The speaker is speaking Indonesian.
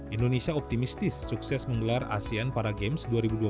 indonesia optimistis sukses menggelar asean para games dua ribu dua puluh tiga